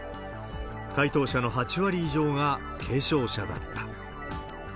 回答者の８割以上が軽症者だった。